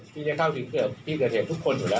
ที่จะเข้าถึงเกือบที่เกิดเหตุทุกคนอยู่แล้ว